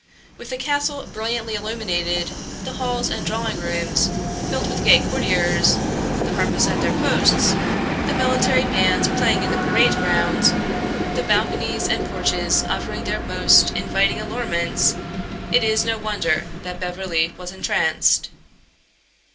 With the castle brilliantly illuminated, the halls and drawing rooms filled with gay courtiers, the harpists at their posts, the military band playing in the parade ground, the balconies and porches offering their most inviting allurements, it is no wonder that Beverly was entranced.